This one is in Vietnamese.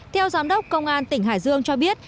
theo giám đốc công an tỉnh hải dương cho biết